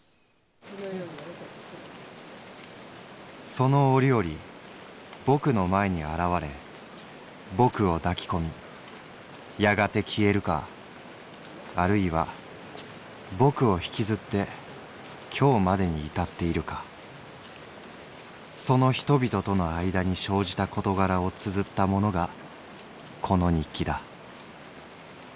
「その折々ぼくの前に現れぼくを抱き込みやがて消えるかあるいはぼくを引きずって今日までに至っているかその人々との間に生じた事柄を綴ったものがこの日記だ。